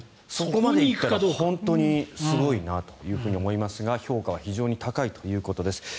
そこまで行ったら本当にすごいなと思いますが評価は非常に高いということです。